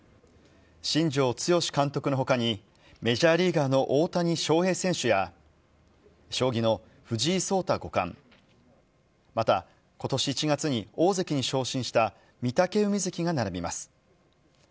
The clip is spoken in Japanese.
新庄剛志監督のほかに、メジャーリーガーの大谷翔平選手や、将棋の藤井聡太五冠、また、ことし１月に大関に昇進した御嶽海関が並びます。